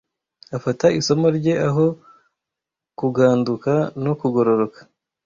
afata isomo rye aho kuganduka no kugororoka